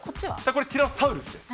これはティラノサウルスです。